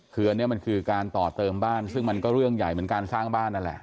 คืออันนี้มันคือการต่อเติมบ้านซึ่งมันก็เรื่องใหญ่เหมือนการสร้างบ้านนั่นแหละ